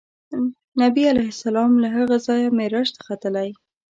نبي علیه السلام له هغه ځایه معراج ته ختلی.